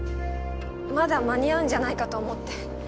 まだ間に合うんじゃないかと思って。